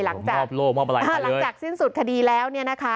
หลังจากสิ้นสุดคดีแล้ว